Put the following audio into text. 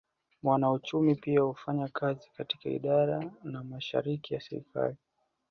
Wanauchumi pia hufanya kazi katika idara na mashirika ya serikali